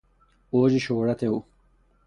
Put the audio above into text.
اوج شهرت او